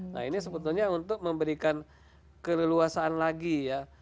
nah ini sebetulnya untuk memberikan keleluasaan lagi ya